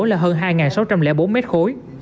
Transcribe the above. là hơn hai sáu trăm linh bốn mét khối